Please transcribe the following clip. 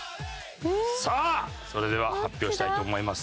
さあそれでは発表したいと思います。